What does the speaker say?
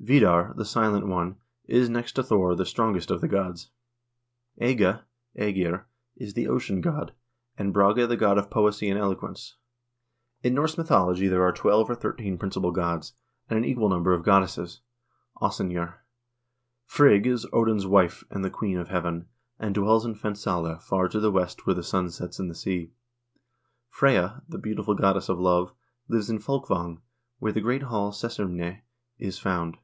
Vidar, the silent one, is, next to Thor, the strongest of the gods. Mge GEgir) is the ocean god, and Brage the god of poesy and eloquence. In Norse mythology there are twelve or thirteen principal gods, and an equal number of goddesses (asynjur). Frigg is Odin's wife and the queen of heaven, and dwells in Fensale, far to the west where the sun sets in the sea. Freyja, the beautiful goddess of love, lives in Folkvang, where the great hall Sessrymne is found.